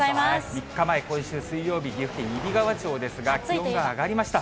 ３日前、今週水曜日、岐阜県揖斐川町ですが、気温が上がりました。